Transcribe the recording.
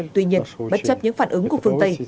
tuy nhiên bất chấp những phản ứng của phương tây